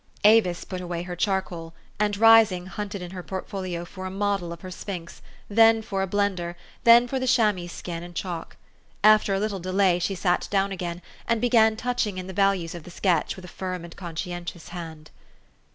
Avis put away her charcoal, and, rising, hunted in her portfolio for a model of her sphinx, then for a blender, then for the chamois skin and chalk. After a little delay she sat down again, and began touching in the values of the sketch with a firm and conscientious hand.